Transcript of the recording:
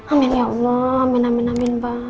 amin ya allah amin amin amin mbak